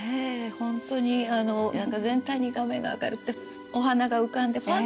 本当に何か全体に画面が明るくてお花が浮かんでファンタジー。